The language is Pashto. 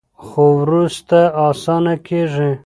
خو وروسته اسانه کیږي.